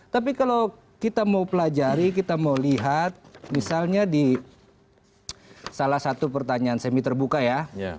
tapi kalau kita mau pelajari kita mau lihat misalnya di salah satu pertanyaan semi terbuka ya